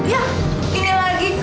ya ini lagi